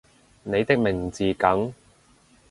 你的名字梗